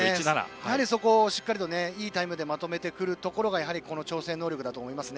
そこをしっかりいいタイムでまとめてくるところ調整能力だと思います。